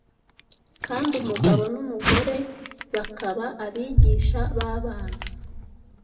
kandi umugabo n’umugore bakaba abigisha b’abana